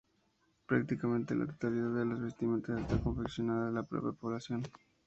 Prácticamente la totalidad de las vestimentas están confeccionadas en la propia población.